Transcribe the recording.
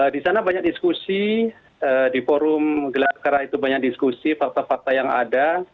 di sana banyak diskusi di forum gelar perkara itu banyak diskusi fakta fakta yang ada